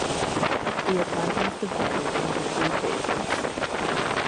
The attack was divided into three phases.